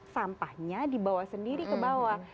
sampahnya dibawa sendiri ke bawah